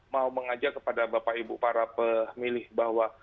mau mengajak kepada bapak ibu para pemilih bahwa